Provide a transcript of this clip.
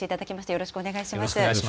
よろしくお願いします。